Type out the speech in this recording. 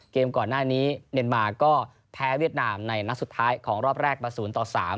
ก่อนหน้านี้เมียนมาก็แพ้เวียดนามในนัดสุดท้ายของรอบแรกมา๐ต่อ๓